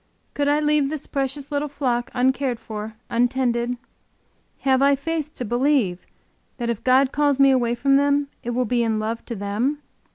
Could I leave this precious little flock, uncared for, untended? Have I faith to believe that if God calls me away from them, it will be in love to them?